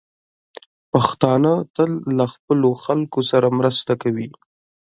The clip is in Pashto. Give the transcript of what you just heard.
پښتانه تل له خپلو خلکو سره مرسته کوي.